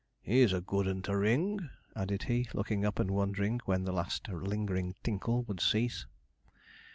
'He's a good un to ring!' added he, looking up and wondering when the last lingering tinkle would cease.